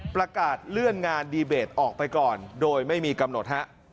ประกาศเลื่อนงานดีเบตออกไปก่อนโดยไม่มีกำหนดฮะ